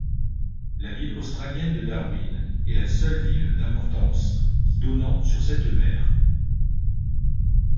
La ville australienne de Darwin est la seule ville d'importance donnant sur cette mer.